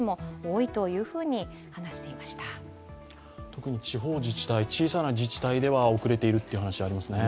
特に地方自治体、小さな自治体では遅れているという話、ありますね。